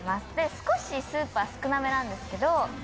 少しスープは少なめなんですけど。